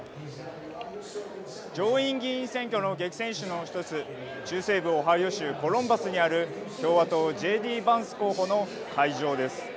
上院議員選挙の激戦州の１つ、中西部オハイオ州コロンバスにある共和党、Ｊ・Ｄ・バンス候補の会場です。